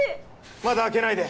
まだ開けないで！